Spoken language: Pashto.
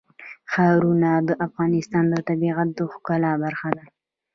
ښارونه د افغانستان د طبیعت د ښکلا برخه ده.